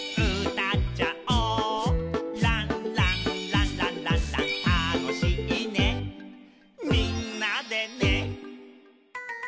「たのしいねみんなでね」